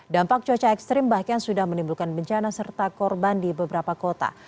dampak cuaca ekstrim bahkan sudah menimbulkan bencana serta korban di beberapa kota